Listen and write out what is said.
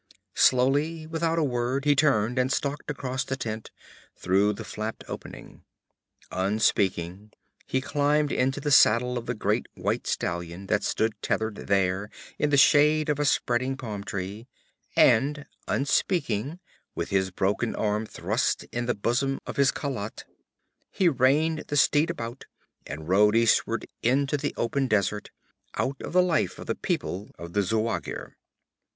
Slowly, without a word, he turned and stalked across the tent, through the flapped opening. Unspeaking he climbed into the saddle of the great white stallion that stood tethered there in the shade of a spreading palm tree; and unspeaking, with his broken arm thrust in the bosom of his khalat, he reined the steed about and rode eastward into the open desert, out of the life of the people of the Zuagir.